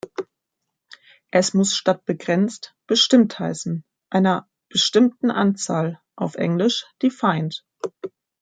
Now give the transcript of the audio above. Es muss statt "begrenzt" "bestimmt" heißen, einer "bestimmten Anzahl", auf Englisch "defined".